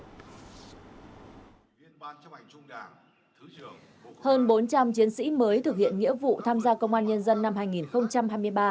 hơn bốn trăm linh chiến sĩ mới thực hiện nghĩa vụ tham gia công an nhân dân năm hai nghìn hai mươi ba